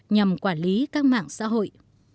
nhằm quản lý các mạng xã hội